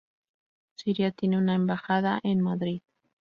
Siria tiene una embajada en Madrid.